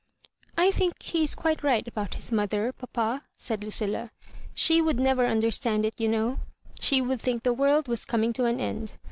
"I think he is quite right about his mother, papa," said Lucilla; "she would never under stand it, you know ; she would think the world was coming to an end.